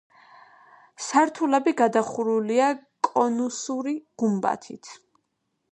სართულები გადახურულია კონუსური გუმბათით.